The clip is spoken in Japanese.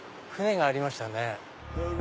舟がありましたね。